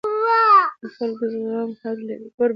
د خلکو زغم حد لري